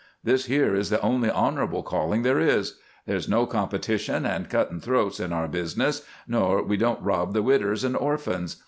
This here is the only honorable calling there is. There's no competition and cuttin' throats in our business, nor we don't rob the widders and orphans.